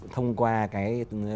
thông qua cái